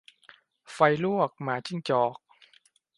ไฟลวกหมาจิ้งจอก